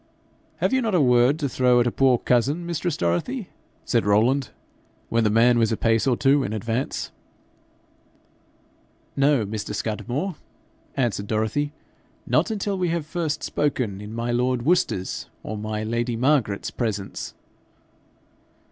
'Have you not a word to throw at a poor cousin, mistress Dorothy?' said Rowland, when the man was a pace or two in advance. 'No, Mr. Scudamore,' answered Dorothy; 'not until we have first spoken in my lord Worcester's or my lady Margaret's presence.'